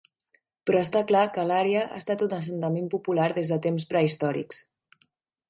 Però està clar que l'àrea ha estat un assentament popular des de temps prehistòrics.